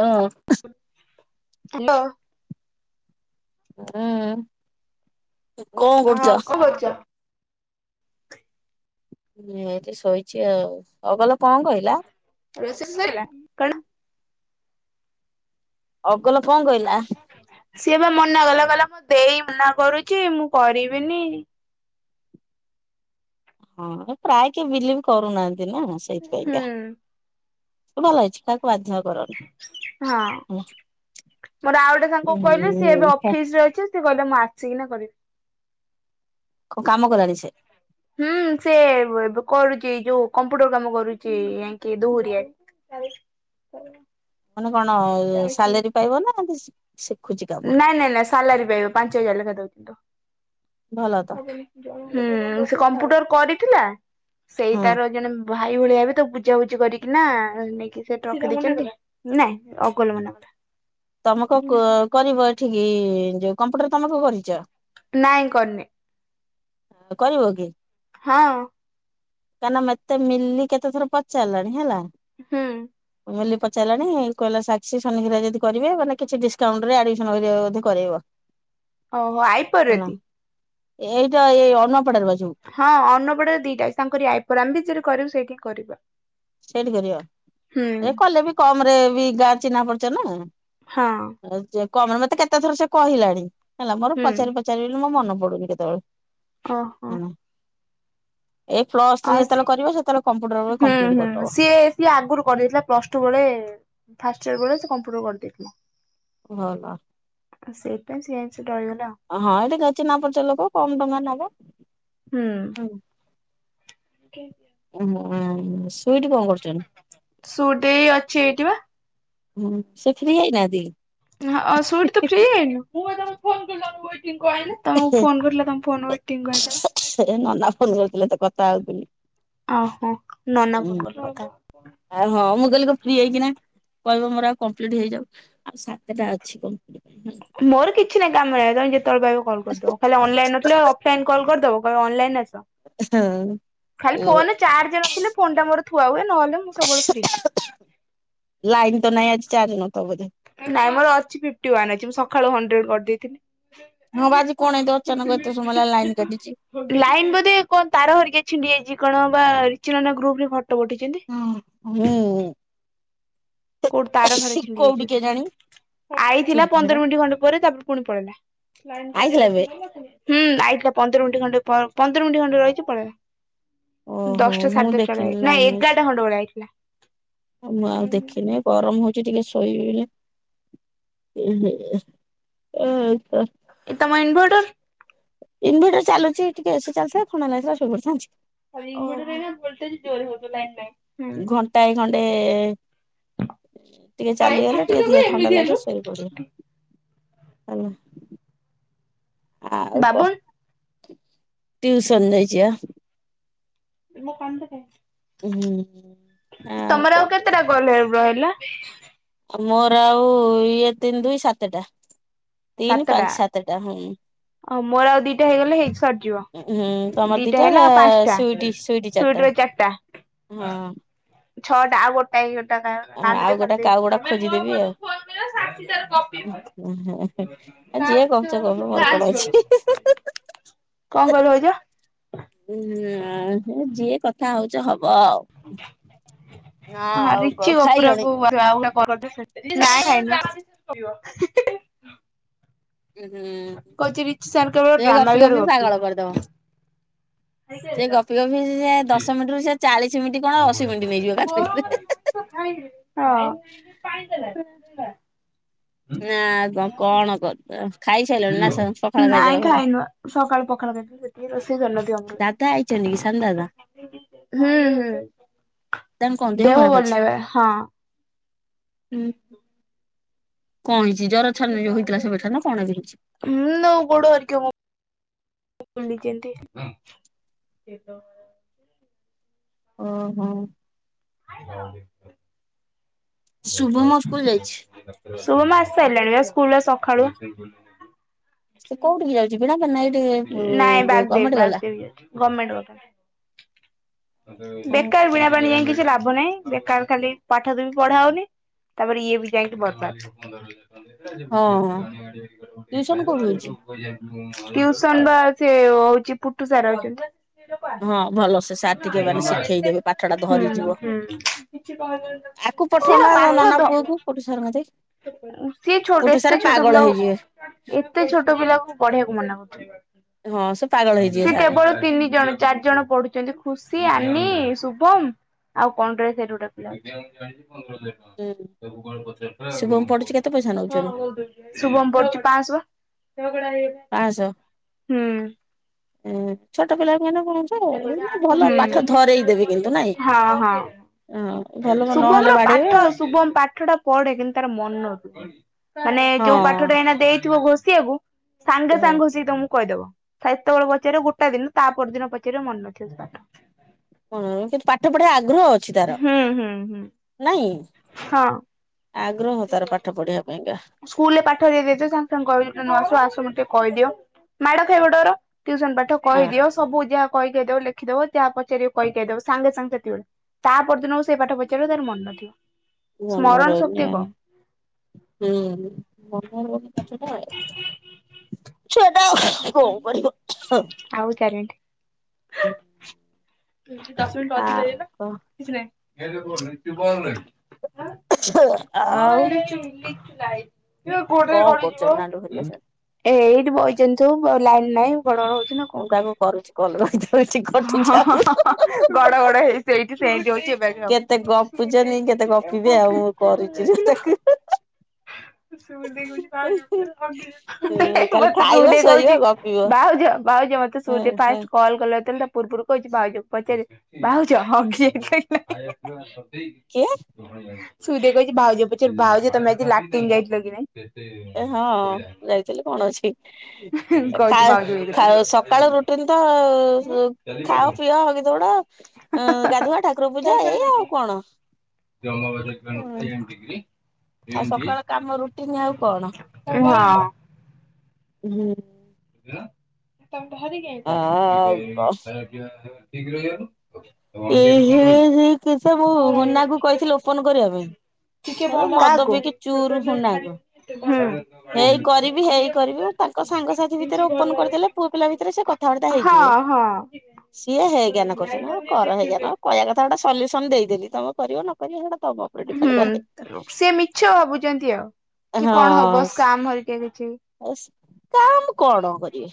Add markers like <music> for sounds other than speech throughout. ହଁ। ହାଲୋ। ହୁଁ କଣ କରୁଛ? ଉଁ ଏଇଠୀ ଶୋଇଛି ଆଉ। ଅଗଲ କଣ କହିଲା? ରୋଷେଇ ସଇଲା ଅଗଲ କଣ କହିଲା? ସିଏ ବା ମନା କଲା କହିଲା ମୋ ଦେଇ ମନାକରୁଛି ମୁଁ କରିବିନି। ହଁ ପ୍ରାୟ କିଏ ବିଲିଭ କରୁନାହାନ୍ତି ନା ସେଇଥି ହୁଁ ପାଇଁକା। ଭଲ ହେଇଛି କାହାକୁ ବାଧ୍ୟ କର ହଁ ମୋର ଆଉ ଗୋଟେ ସାଙ୍ଗକୁ କହିଲି ସିଏ ହୁଁ ଏବେ ହେ। ଅଫିସରେ ଅଛି। ସିଏ କହିଲା ମୁଁ ଆସିକିନା କରିବି। କଣ କାମ କଲାଣି ସେ? ହୁଁ ସେ ବ ଏବେ କରୁଛି ଏଇ ଯୋଉ କମ୍ପ୍ୟୁଟର କାମ କରୁଛି ଆଙ୍କି ଦୋହୁରିଆ। <unintelligible> ମାନେ କଣ ଏ ସାଲେରୀ ପାଇବ ନା ଏମିତି ସି ଶିଖୁଛି କାମ? ନାଇଁ ନାଇଁ ନାଇଁ ସାଲାରୀ ପାଇବ ପାଞ୍ଚ ହଜାର ଲେଖା ଦଉଛନ୍ତି ଭଲ ତ ତ ହବନି। ହୁଁ ସେ କମ୍ପ୍ୟୁଟର କରିଥିଲା ସେଇ ହଁ ତାର ଜଣେ ଭାଇ ଭଳିଆ ହେବେ ତ ବୁଝାବୁଝି କରିକି ନା ନେଇକି ସେ ଟଙ୍କା ଦେଇଛନ୍ତି। ନାଇଁ ଅଗଲ ମନା କଲା। ତମେ କଣ କ କରିବ ଏଠିକି ଯୋଉ କମ୍ପ୍ୟୁଟର ତମେ କଣ କରିଛ? ନାଇଁ କରିନି। ଆଉ କରିବ କି? ହଁ। କାହିଁକି ନା ମେତେ ମିଲି କେତେ ଥର ପଚାରିଲାଣି ହେଲା ହୁଁ। ମିଲି ପଚାରିଲାଣି କହିଲା ସାକ୍ଷୀ, ସୋନି ଘରିକା ଯଦି କରିବେ ମାନେ କିଛି ଡିସକାଉଣ୍ଟରେ ଆଡମିସନ କରିବା କଥା ବୋଧେ କରେଇବ। ଓହୋ ଆଇ ପୋ ରେ ହେଲା ତି? ଏଇଟା ଏଇ ଅନ୍ନପଡାରେ ବା ଯୋଉ। ହଁ ଅନ୍ନପଡ଼ାରେ ଦିଟା ଅଛି ତାଙ୍କରି ଆଇ ପୋର ଆମେ ବି ଯଦି କରିବୁ ସେଇଠି ହିଁ କରିବୁ ବା। ସେଇଠି କରବ? ଏ କଲେ ବି କମରେ ବି ଗାଁ ଚିହ୍ନା ପରିଚୟ ନା! ହଁ। ହଁ ଯେ କମରେ ମତେ କେତେ ଥର ସେ କହିଲାଣି ହେଲା ମୋର ହୁଁ ପଚାରିବି ପଚାରିବି ବୋଲି ମୋ ମନ ପଡୁନି କେତେବେଳେ। ଓ ହୋ। ଏ ପ୍ଲସଥ୍ରୀ ଆଉ ସି ଯେତେବେଳେ କରିବ ସେତେବେଳେ କମ୍ପ୍ୟୁଟର ବି ହୁଁ କମ ହୁଁ ସିଏ ସିଏ ଆଗରୁ କରିଦେଇଥିଲା ପ୍ଲସଟୁ ବେଳେ ଫାଷ୍ଟ ଇୟର ବଳେ ସେ କମ୍ପ୍ୟୁଟର କରିଦେଇଥିଲା। ଭଲ। ଆଉ ସେଇଥିପାଇଁ ସିଏ ଯାଇଙ୍କି ସେଇଠି ରହିଗଲେ ଆଉ। ହଁ ଟିକେ ଚିହ୍ନା ପରିଚୟ ଲୋକ କମ ଟଙ୍କା ନବ। ହୁଁ। ଉଁ ସୁଇଟି କଣ କରୁଛନ୍ତି? ସୁଇଟି ଅଛି ଏଇଠି ବା। ହୁଁ ସେ ଫ୍ରି ହେଉନାହାନ୍ତି କି? ହୁଁ ଅ ସୁଇଟି ତୁ ଫ୍ରି ହେଇନୁ? ତମକୁ ଫୋନ କରିଥିଲା ତମ ଫୋନ ୱେଟିଙ୍ଗକୁ ଆଇଲା ବା। ସେ ନନା ଫୋନ କରିଥିଲେ ତ କଥା ହଉଥିଲି। ଓ ହୋ ନନା ଫୋନ୍ କରିଥିଲେ <unintelligible> କଥା। ଆଉ ହଁ ମୁଁ କହିଲ କଣ ଫ୍ରି ହେଇକିନା କହିବ ମୋର ଆଉ କମ୍ପ୍ଲିଟ ହେଇଯାଉ ଆଉ ସାତଟା ଅଛି କମ୍ପ୍ଲିଟ ପାଇଁ ହେଲା। ମୋର କିଛି ନାଇଁ କାମରେ ଏକା ତମେ ଯେତେବେଳେ ପାଇବ କଲ କରିଦବ, ଖାଲି ଅନଲାଇନ ନଥିଲେ ଆଉ ଅଫ୍ ଲାଇନ୍ କଲ୍ କରିଦବ କହିବ ଅନଲାଇନ ଆସ ଖାଲି ହଁ ଫୋନରେ ଚାର୍ଜ ନଥିଲେ ଫୋନ୍ ଟା ମୋର ଥୁଆ ହୁଏ ନହେଲେ ମୁଁ ସବୁବେଳେ ଫ୍ରି। ଲାଇନ ତ ନାଇଁ ଆଜି ଚାର୍ଜ ନଥିବ ବୋଧେ। ନାଇଁ ମୋର ଅଛି ଫିଫ୍ଟି ୱନ୍ ଅଛି ମୁଁ ସକାଳୁ ହଣ୍ଡ୍ରେଡ କରିଦେଇଥିଲି। ହଁ ବା ଆଜି କଣ ଏମିତି ଅଚାନକ ଏତେ ସମୟ ହେଲା ଲାଇନ୍ କାଟିିଛି। ଲାଇନ ବୋଧେ କଣ ତାର ଘରିକା ଛିଣ୍ଡି ଯାଇଛି କଣ ବା ରିଚି ନନା ଗ୍ରୁପରେ ଫଟୋ ପଠେଇଛନ୍ତି। ହଁ ହୁଁ। କୋଉଠି ତାର ଫାର ଛିଣ୍ଡି କୋଉଠି ଯାଇଛି ବୋଧେ? କେଜାଣି ଆଇଥିଲା ଚିଡୁଚି ସେଟା। ପନ୍ଦର ମିନିଟ ଖଣ୍ଡେ ପରେ ତାପରେ ପୁଣି ପଳେଇଲା। ହୁଁ ଆଇଥିଲା ଏବେ? ଆଇଥିଲା ପନ୍ଦର ମିନିଟ୍ ଖଣ୍ଡେ ପ ପନ୍ଦର ମିନିଟ୍ ଖଣ୍ଡେ ରହିଛି ପଳେଇଲା। ଓହୋ ଦଶଟା ମୁଁ ସାଢେ ଦଶଟାରେ ଦେଖିନି ନା ଲାଇନ ଅଛି। ଏଗାରଟା ଖଣ୍ଡେବେଳେ ଆଇଥିଲା। ମୁଁ ଆଉ ଦେଖିନେଇ ଗରମ୍ ହଉଚି ଟିକେ ଶୋଇବି ବୋଲି ହ ହ ଏ ତମ ଇନଭର୍ଟର? ଇନଭର୍ଟର ଚାଲୁଛି ଟିକେ ଏସି ଚାଲିଥିଲେ ଥଣ୍ଡା ନାଗିଥିଲେ ଶୋଇ ପଡ଼ିଥାନ୍ତି। ଆଉ ଇନଭର୍ଟର୍ ରେ ଏଇନା ଭୋଲ୍ଟେଜ ଜୋରରେ ହଉଥିବ ଲାଇନ ନାଇଁ। ଘଣ୍ଟାଏ ଖଣ୍ଡେ ଟିକେ ଚାଲିଗଲେ ଟିକେ ଦିହ ଥଣ୍ଡା ଲାଗେ ଶୋଇପଡିବ ହେଲା। ଆଉ କ ବାବୁନ ଟିଉସନ୍ ଯାଇଛି ଆ <unintelligible> ହୁଁ ହୁଁ ଆଉ କ କେତେଟା କଲ ରହିଲା? ମୋର ଆଉ ଇଏ ତିନି ଦୁଇ ସାତଟା। ତିନି ପାଞ୍ଚ ସାତଟା ହୁଁ। ଓ ମୋର ଆଉ ଦିଟା ହେଇଗଲେ ହେଇ ସରିଯିବ ହୁଁ ତମର ଦିଟା ହେଲା ଆଉ ପାଞ୍ଚଟା ସୁଇଟି ସୁଇଟି ଚାରିଟା ସୁଇଟର ଚାରି ଟା ହଁ ଛଅଟା ଆଉ ଗୋଟେ ଏ ଗୋଟା ଆଉ ଗୋଟା କାଉ ଗୋଟା ଖୋଜିଦେବି କୋ <unintelligible> ଆ ଯିଏ କରୁଚ କରୁ ମୋର କଣ ଅଛି? କଣ କହିଲ ହଉଛ? ଉୁଁ ହେଉ ଯିଏ କଥା ଥା ହଉଛ ହବ ଆଉ ହଁ ଆଉ ରିଚି କଣ ଖାଇଲଣି? କପୁରକୁ ଆଉ କରନ୍ତୁାଇଁ ଖାଇ <unintelligible> ଉ ହୁଁ କହୁଛି ରିଚି ସାର୍ କେବଳ ସେ ଡ୍ରାମା ଗପି ବିଷୟରେ ଗପି ଗପିବ ପାଗଳ କରିଦବ। ସେ ଗପି ଗପି ସେ ଦଶ ମିିଟରୁ ସେ ଚାଳିଶ ମିନିଟ୍ କଣ ଅଶୀ ମିନିଟ ନେଇଯିବ <unintelligible> ହଁ ନା ଆଉ କଣ କଣ କରୁଚ? ନାଇଁ ଖାଇନୁ ସକାଳୁ ପଖାଳ ସେତିିକି ରୋଷେଇ କରିନଥିବ। ଦାଦା ଆଇଛନ୍ତି କି ସାନ ଦାଦା? ହୁଁ ହୁଁ ତାଙ୍କ କଣ ଦେହ ଖରାପ ଭଲ ଅଛି? ନାଇ ବା ହଁ ହୁଁ କଣ ହେଇଛି ଜର ଛାଡୁନି ଯୋଉ ହେଇଥିଲା ସେବେଠାରୁ ନା କଣ ହେଇଛି? ହୁଁ ତାଙ୍କ ଗୋଡ଼ ହେରୀକା ଭଲି କେଛନ୍ତି ହେଇଥିପାଇଁ ଓହୋ ଆଇଲ ଶୁଭମ ସ୍କୁଲ ଯାଇଛି। ଶୁଭମ ଆସି ସାରିଲାଣି ବା ସ୍କୁଲ ଆଜି ସକାଳୁ। ସେ କୋଉଠିିକି ଯାଉଛି ବୀଣାପାଣି ନା ଏଇଠି ଉ ନାଇଁ ବ୍ୟାଗ ଯୋଉ ଦେବି ଗମେଟ ବ୍ୟାଗ ଗଲା। ଦେବି ଗମେଣ୍ଟ ଗଲା ହଁ ବେକାର ବିଣାପାଣି ଯାଇଁକି କିଛି ଲାଭ ନାହିଁ ବେକାର ଖାଲି ପାଠ ବି ପଢା ହଉନି ତାପରେ ଇଏ ବି ଯାଇକି ବରବାଦ। ହଁ ଟିଉସନ କୋଉଠି ହଉଛି? <unintelligible> ଟ୍ୟୁସନ ବା ସେ ହଉଛି ପୁଟୁ ସାରଙ୍କ ଟିଉସନ। ହଁ ଭଲ ସେ ସାର୍ ଟିକେ ମାନେ ଶିଖେଇଦେବେ ପାଠ ଟା ହୁଁ ହୁଁ। ଧରିଯିବ। କିଛି ଆକୁ ସେ ନା ପଠଉନା ତମ ପାଠ ନନା ଧ ପୁଅକୁ ପୁଟୁ ସାରଙ୍କ କତିକି। ସିଏ ଛୋଟ ପୁଟୁ ଏତେ ସାର୍ ଛୋଟ ପାଗଳ ପିଲାକୁ ହେଇଯିବେ ଏତେ ଛୋଟ ପିଲାଙ୍କୁ ପଢେଇିବାକୁ ମନା ହଁ ସେ ପାଗଳ କରୁଥିଲେ। ହେଇଯିବେ ସିଏ ସାର୍। କେବଳ ତିନି ଜଣ ଚାରି ଜଣ ପଢୁଛନ୍ତି ଖୁସି, ଆନି, ଶୁଭମ ଆଉ କଣଟେ ସେଠି ଗୋଟେ ପିଲାଟେ। <unintelligible> ହୁଁ। ଶୁଭମ ଶୁଭମ ପଢୁଛି କେତେ ପଇସା ନଉଛନ୍ତି ପଡୁଛି ପାଞ୍ଚଶ ପା ହୁଁ। ଉୁ ଛୋଟ ପିଲାକୁ ଏନା ପଢ଼ଉଚି। ହୁଁ କିନ୍ତୁ ନାଇଁ। ହଁ ହଁ ଭଲ ଶୁଭମ ନହେଲେ ର ବାଡେଇବେ ପାଠ ଶୁଭମ ପାଠ ଟା ପଢେ କିନ୍ତୁ ତାର ମନ ମାନେ ହଁ ଯୋଉ ପାଠଟା ଏଇନା ଦେଇଥିବ ଘୋଷିଆକୁ ସାଙ୍ଗେ ସାଙ୍ଗ ଘ ଘୋଷିକି ତମକୁ କହିଦବ ସତେବେଳେ ପଚାର ଗୋଟାଏ ଦିନ ତା ପରଦିନ ପଚାର ଥିର ମାନେ ନଥିବ ସେ ପାଠ। ହଁ କିନ୍ତୁ ପାଠ ପଢିବା ଆଗ୍ରହ ଅ ହୁଁ ହୁଁ ହୁଁ। ନାଇଁ। ହଁ। ଆଗ୍ରହ ତାର ପାଠ ପଢିବା ପାଇଁକା। ସ୍କୁଲରେ ପାଠ ଦେଇଦେଇଥିବ ସାଙ୍ଗେ ସାଙ୍ଗେ କହିବ <unintelligible> ଆସୁ ଆସ ମତେ ଟିକେ କହିଦିଅ ମାଡ ଖାଇବଡର। ଟ୍ୟୁସନ ପାଠ କହିଦିଅ ହଁ ସବୁ ଯାହା କହିକି <unintelligible> ଲେଖିଦବ ଯାହା ପଚାରିବ କହି କାଇ ଦବ ସାଙ୍ଗେ ସାଙ୍ଗେ ସେତିକି ବେଳେ। ତା ପରଦିନ କୁ ସେଇ ପାଠ ପଚାରିବ ତାର ମନ ନଥିବ ମନ ସ୍ମରଣ ରହୁନି ଶକ୍ତି ଆଉ କମ। ହୁଁ ମନେ ରୋହୁନି ପାଠଟା ଆଉ। ଛୁଆଟା <unintelligible> ପଢିବ। ଆଉ। <unintelligible> ହୁଁ। ଦଶ ମିନିଟରୁ ଅଧିକ ହେଇଗଲେ କିଛି ନାଁଇ। ଆଁ ହଁ ବା ଆଉ ଏଇ ଲିଚୁ ଲିଚୁ ଲାଇଟ୍। ଏବା କଣ କରୁଛନ୍ତି ଗୋଡୋରେ ନାଲୁ ହେରିକା ସବୁ? ଗଳି ଯିବ। ନା କଁ ମୁଁ ତାକୁ କରିବା କରୁଛି କଲ୍ ହଁ ରହିଥାଉଛି ହଁ କଟି ଯାଉ ହଁ ହଁ ଗଡ ଗଡ କେତେ ହେଇ। ଗପୁଛନ୍ତି କେତେ ସେଇଠି ଗପିବେ ଆଉ ମୁଁ ସେନ୍ତୀ କରୁଛି ରେ ହୋଉଚି ତାକୁ <unintelligible> ସୁଇଟି ଦେଇ କୋହୁଚି ଭାଉଜ <unintelligible> ହଗି ଖାଲି ହେବି। ତେ ସୁଇଟି ଖାଇବ ଦେଇ ଶୋଇବ କହିଚି ଗପିବ ବାହୁଜ ଭାଉଜ ମତେ ହଁ ସୁଇଟି ଦେଇ ହଁ ଫାର୍ଷ୍ଟ କ କଲ୍ କଲା ଯେତୋବେଳେ ତା ପୁର୍ବୁରୁ କହିଚି ଭାଉଜ କୁ ପଚାରେ ଭାଉଜ ହଗି। <unintelligible> <unintelligible> କିଏ। ସୁଇଟ ଦେଇ କହିଚି ଭାଉଜକୁ ପଚାରିବୁ ଭାଉଜ ତମେ ଆଜି ଲାଟିନ ଯାଇ ଥିଲ କି ନାଇଁ। କେତେ <unintelligible> ଚାରିଲେ କଣ ଅଛି? ଏ କହୁଛି ଖାଅ ଭାଉଜକୁ ଏଇ କଥା ଖାଅ ପଚାରେ। ସକାଳୁ ରୁଟିନ ତ ଖାଅ ପିଅ ହଗି ଦୌଡ। ଅଁ ଗାଧୁଆ ଠାକୁର ପୂଜା ଏଇଆ ଆଉ କଣ। ଜମ <unintelligible> ଡ଼ିଗ୍ରୀ। ଆଉ ସକାଳ କାମ ରୁଟିନ ଆଉ କଣ। ହଁ। <unintelligible> <unintelligible> ଆଉ ଠିକ୍ ରହିଲାନି। ଏ ହେ ହେ ହେ ସେସବୁ ମୁନାକୁ କହିଥିଲି ଓପୋନ୍ କରିବା ପାଇଁ। ତାର ମଦ ପିଇକି ଚୁରୁ <unintelligible> ହେଇ କରିବି ହେଇ କରିବି ତାଙ୍କ ସାଙ୍ଗସାଥି ଭୀ ତରେ ଓପୋନ୍ ଅଛି। କରିଦେଲେ ପୁଅ ପିଲା ଭିତେରେ ସେ କଥାବାର୍ତ୍ତା ହେଇଯିବେ ହଁ ହଁ ସିଏ ହେଜ୍ଞାନ କରୁଛନ୍ତି କର ହେଜ୍ଞାନ କହିବା କଥା ଗୋଟେ ସଲ୍ୟୁସନ୍ ଦେଇଦେଲି ତମ କରିବ ନ କରିବ ସେଇଡ଼ା ତମକୁ ହୁଁ ସିଏ ମିଛ ଭାବୁଚନ୍ତି ଆଉ। କି ଏହଁ କଣ ହବ ସ୍କାମ ହରିକା କିଛି ସେ କାମ୍ କଣ କରିବେ।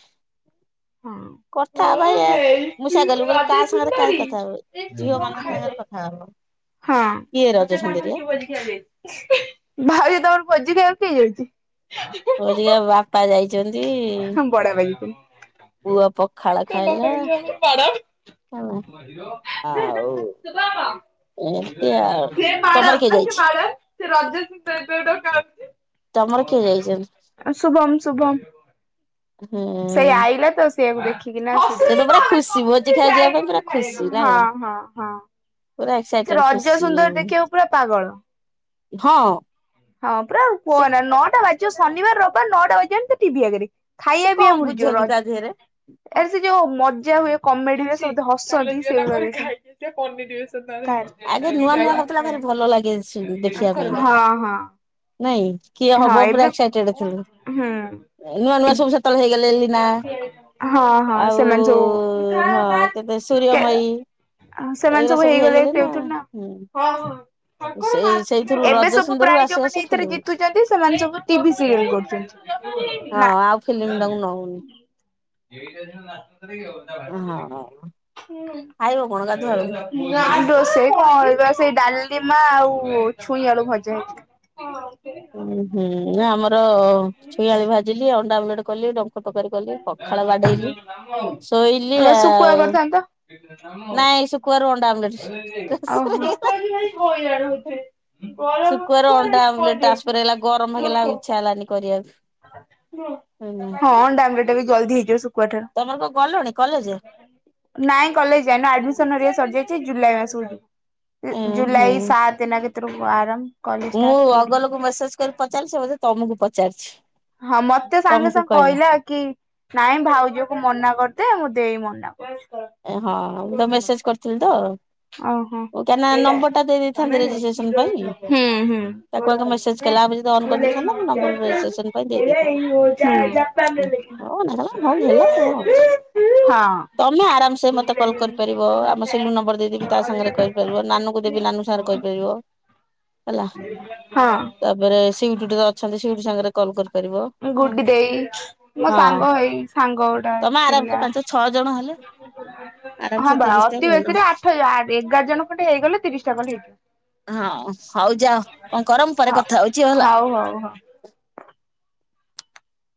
ହଁ କଥା ହବା <unintelligible> ମୁଁ ସେଇଆ କହିଲି ମୁଁ କହିଲି କା ସାଙ୍ଗରେ କାଇଁ କଥା ହେବି ଝିଅ ମାନଙ୍କ ସାଙ୍ଗରେ କ ଥା ହବ। ହଁ। କିଏ ରଜ <unintelligible> ଭାଇ ତମର ସୁନ୍ଦରୀଆ ଭୋଜି ଖାଇଵାକୁ କିଏ ଯାଇଚି? ଭୋଜି ଖାଇବାକୁ ବାପା ଯାଇ ଆଁ ବଡାଆବା ଯାଇଚନ୍ତି। ପୁଅ <unintelligible> ପଖାଳ ଖାଇଲା ହେଲା ଆଉ ଏମିତି ଆଉ ତମର କିଏ <unintelligible> ଯାଇଛି ସେ ରଜରେ ତମର କିଏ ଯାଇଛନ୍ତି <unintelligible> ସେଇ ହୁଁ। ଆଇଲା ତ ସେମ୍ ଦେ ଖୀ ନା। <unintelligible> ସେ ତ ପୁରା ଖୁସି ଭୋଜି ଖାଇବାକୁ ଯିବା ପାଇଁ ପୁରା ଖୁସି ନା କଣ ପୁରା ଏକ୍ସାଇଟେଡ ରଜ ଖୁସି। ସୁନ୍ଦରୀ ଦେଖିବାକୁ ପୁରା ପାଗଳ। ହଁ। ହଁ ପୁରା କୁହ ସେ ନା ନଅଟା ବାଜିବ ଶନିବାର ରବିବାର ନଅଟା ବାଜିଅନି ସେ ଟିଭି ଆଗରେ। ସେ ଖାଇଆ ପିଇଆ କଣ ଭୁଲଯିବ ବୁଝନ୍ତି ରଜ୍ ତା ଦେହରେ ଆରେ ସେ ଯୋଉ ମଜା ହୁଏ କମେଡି ରେ ସେ ଏବତି ହସନ୍ତି ସେଇ ପରିକା। ଟିକେ କମିପିବେ ଆଗେ ନୂଆ ନୂଆ ହଉଥିଲା ସେତବେଳେ ଭାରି ଭଲ ଲାଗେ ଦେଖିବା ପାଇଁକା <unintelligible> ହଁ ହଁ। ନାଇଁ କିଏ ହଁ ହବ ପୁରା ଏବେ ଏକ୍ସାଇଟେଡ ଥିଲୁ ହୁଁ ନୂଆ ନୂଆ ସବୁ ସେତ୍ ତବେଳେ ହେଇଗଲେ ଏଲିନା ହଁ ହଁ ଆଉ ସେମାନେ ସବୁ ହଁ ତେବେ କେ ସୂର୍ଯ୍ୟମୟୀ। ସେମାନେ ଏଇଗୁରା ସବୁ ହେଇଗଲେ ହେଇଗଲେଣିନା ସେଇଥିରୁ ଆଉ ନା। ହୁଁ। ସେଇ ସେଇଥିରୁ ରଜ ସୁୁନ୍ଦରୀରୁ ଆସୁ ଆସୁ ଏଥିରେ ଜିତୁଚନ୍ତି ସେମାନେ ସବୁ ଟିଭି ସିରିଏଲ୍ କରୁଚନ୍ତି। ହଁ ନା ଆଉ ଫିଲ୍ମ ତାଙ୍କୁ ନଉନି ଏଇଟା ଯେମିତି ନାଚୁଥିଲି ଆଉ। ଓ ହଁ ହଁ ଖାଇବ କଣ ଗାଧୁଆ ବେଳକୁ? ନା ରୋଷେଇ କଣ ବା ସେଇ ଡାଲିମା ଆଉ ଛୁଇଁ ଆଳୁ ଭଜା ହେଇଚି। ହଁ ଆଉଥେରେ ଉଁ ହୁଁ ନା ଆମର ଛୁଇଁଆଳୁ ଭାଜିଲି। ଅଣ୍ଡା ଅମଲେଟ କଲି। ଡଙ୍କ୍ କଁ ତରକାରୀ କଲି। ପଖାଳ ବାଡେଇଲି। ଶୋଇଲି ଏ ଶୁଖୁଆ ଆଉ। କରିଥାନ୍ତ। ନାଇଁ ଶୁକୁଆରୁ ଅଣ୍ଡା ଆମଲେଟ୍। ଓହୋ। ହଁ ଶୁକୁଆରୁ ଅଣ୍ଡା ଆମଲେଟ ଟ୍ରାନ୍ସଫର ହେଇଗଲା ଗରମ ହେଇଗଲା ଆଉ ଇଛା ହେଲାନି କରିବାକୁ। ହଁ ଅଣ୍ଡାଆମଲେଟ ଟା ବି ଜଲଦି ହେଇଯିବ। ଶୁଖୁଆ ଠାରୁ। ତମର କଁ ଗଲଣି କଲେଜେ? ନାଇଁ କଲେଜ ଯାଏନି। ଆଡମିସନ ହରିକା ସରଯାଇଚି। ଜୁଲାଇ ମାସକୁ ଯିବି। ଉଁ ଇ ହୁଁ ଜୁଲାଇ ସାତ୍। ତେନା କେତେରୁ ଆରମ୍? ମୁଁ ଅଗଲକୁ ମେସେଜ କରି ପଚାରିଲି ସେ ବୋଧେ ତମକୁ ପଚାରିଛି? ହଁ ମତେ ସାଙ୍ଗେ ସାଙ୍ଗେ କହିଲା କି ନାଇଁ ଭାଉଜକୁ ମନା କରିଦେ ମୋ ଦେଇ ମନା କରୁଛି। ଏ ହଁ ମୁଁ ତାକୁ ମେସେଜ କରିଥିଲି ତ? ଓହୋ ଓ କାହିଁ ଏଇଟା ନମ୍ବର ଟା ଦେଇ ଦେଇଥାନ୍ତେ ରେଜିଷ୍ଟ୍ରେସନ ପାଇଁ। ହୁଁ ହୁଁ ତାକୁ ଆଗେ ମେସେଜ କଲା ଆମେ ଯଦି ଅନ୍ କରିଦେଇଥାନ୍ତୁ ନା ମୋ ନମ୍ବର ରେଜିଷ୍ଟ୍ରେସନ୍ ପାଇଁ ଦେଇ ଦେଇଥାନ୍ତେ। ଉଁ ହଉ ନେଇଗଲା ହଁ ହେଲା କଣ ଅଛି। ହଁ। ତମେ ଆରାମ ସେ। ମତେ କଲ୍ କରିପାରିବ। ଆମ ସିଲୁ ନମ୍ବର ଦେଇଦେବି ତା ସାଙ୍ଗରେ କରିପାରିବ। ନାନୁଙ୍କୁ ଦେବି ନାନୁ ସାଙ୍ଗରେ କହିପାରିବ। ହେଲା ହଁ। ତାପରେ ସିଉଟି ଏଠି ତ ଅଛନ୍ତି ସୁଇଟୁ ସାଙ୍ଗରେ କଲ୍ କରିପାରିବ ଗୁଡି ଦେଇ ମୋ ହଁ ସାଙ୍ଗ ହେଇ ସାଙ୍ଗ ଗୋଟା ତମେ ଆରାମ ସେ ଥିଲା ପାଞ୍ଚ ଛଅ ଜଣ ହେଲେ ହଁ ଆରାମସେ ବା ତିରିଶ ଟା ଅତି ଭଲ ବେଶୀରେ ଆଠ ଏୟା ଆ ଏଗାର ଜଣ ଖଟେ ହେଇଗଲେ ତିରିଶ ଟା କଲେ ହେଇଯିବ। ହଁ ହଉ ଯାଅ କଣ କର ମୁଁ ପରେ ହ କଥା ହଉଛି ହେଲା। ହଉ ହଉ ହଉ।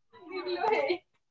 <unintelligible>